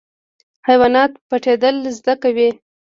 حیوانات پټیدل زده کوي